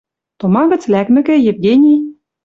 Тома гӹц лӓкмӹкӹ, Евгений